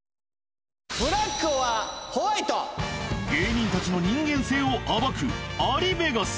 芸人たちの人間性を暴く「アリベガス」。